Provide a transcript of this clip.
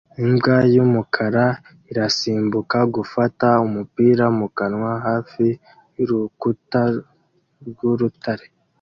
Imbwa y'umukara irasimbuka gufata umupira mu kanwa hafi y'urukuta rw'urutare